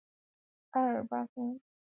爱尔巴桑。